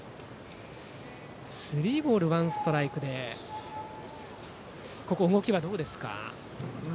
スリーボール、ワンストライクで動きはどうですか。